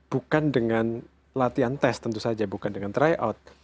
bukan dengan latihan tes tentu saja bukan dengan tryout